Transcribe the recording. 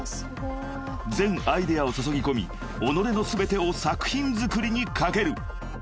［全アイデアを注ぎ込み己の全てを作品作りに懸ける］